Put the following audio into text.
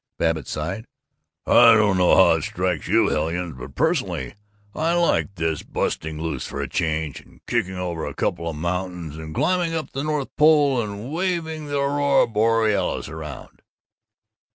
Babbitt sighed, "I don't know how it strikes you hellions, but personally I like this busting loose for a change, and kicking over a couple of mountains and climbing up on the North Pole and waving the aurora borealis around."